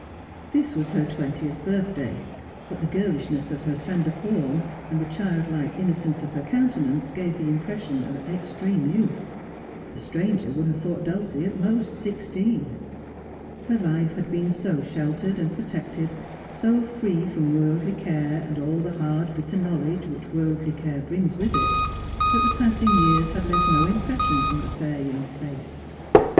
This was her twentieth birthday, but the girlishness of her slender form, and the childlike innocence of her countenance, gave the impression of extreme youth. A stranger would have thought Dulcie at most sixteen. Her life had been so sheltered and pro tected, so free from worldly care and all the hard bitter knowledge which worldly care brings with it, that the passing years had left no impression on the fair young face.